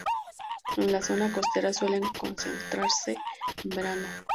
En la zona costera suelen concentrarse en verano